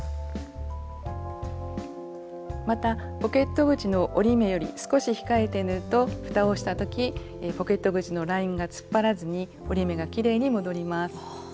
またポケット口の折り目より少し控えて縫うとふたをした時ポケット口のラインが突っ張らずに折り目がきれいに戻ります。